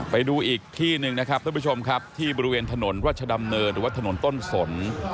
ไปดูอีกที่หนึ่งที่บริเวณถนนวัชดำเนินหรือว่าถนนต้นสน